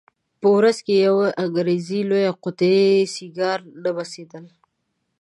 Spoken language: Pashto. په ورځ کې یوه انګریزي لویه قطي سیګار نه بسېدل.